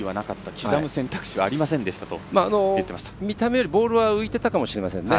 刻む選択はありませんでしたと見た目よりボールは浮いてたかもしれませんね。